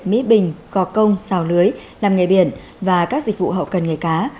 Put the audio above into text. mỹ bình cò công sào lưới nằm nhà biển và các dịch vụ hậu cần nghề cá